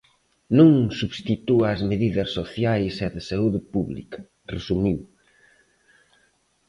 Non substitúa as medidas sociais e de saúde pública, resumiu.